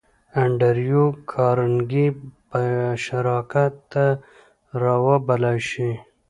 انډريو کارنګي به شراکت ته را وبللای شې؟